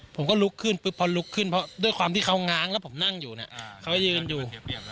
ผมก็ลุกขึ้นปุ๊บพอลุกขึ้นเพราะด้วยความที่เขาง้างแล้วผมนั่งอยู่เนี่ยเขาก็ยืนอยู่